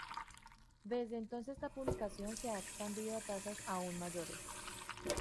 Desde entonces, la publicación se ha expandido a tasas aún mayores.